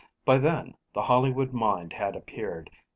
By then, the Hollywood Mind had appeared.